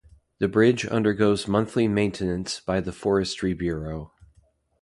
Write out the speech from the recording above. The bridge undergoes monthly maintenance by the Forestry Bureau.